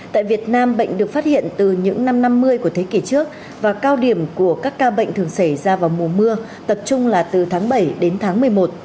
tại việt nam bệnh được phát hiện từ những năm năm mươi của thế kỷ trước và cao điểm của các ca bệnh thường xảy ra vào mùa mưa tập trung là từ tháng bảy đến tháng một mươi một